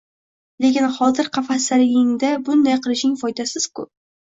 — Lekin hozir qafasdaligingda bunday qilishing foydasiz-ku